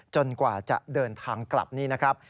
กว่าจะเดินทางกลับนี่นะครับ